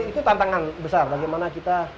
itu tantangan besar bagaimana kita